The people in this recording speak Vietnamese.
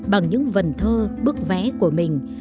bằng những vần thơ bức vẽ của mình